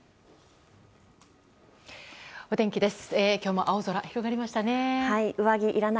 お天気です。